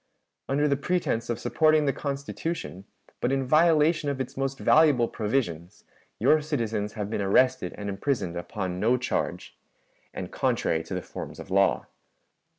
"Under the pretense of supporting the Constitution, but in violation of its most valuable provisions, your citizens have been arrested and imprisoned upon no charge, and contrary to the forms of law.